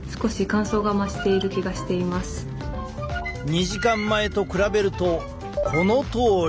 ２時間前と比べるとこのとおり。